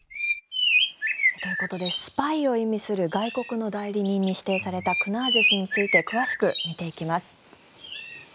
ということでスパイを意味する外国の代理人に指定されたクナーゼ氏について詳しく見ていきます。